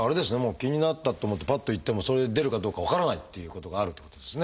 気になったと思ってぱっと行ってもそれで出るかどうか分からないっていうことがあるってことですね。